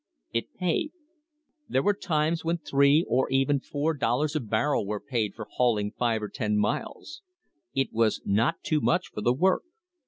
It paid. There were times when three and even four dollars a barrel were paid for hauling five or ten miles. It was not too much for the work.